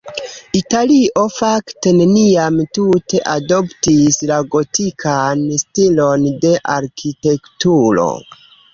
Italio fakte neniam tute adoptis la gotikan stilon de arkitekturo.